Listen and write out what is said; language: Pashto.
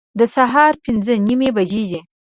د سهار پنځه نیمي بجي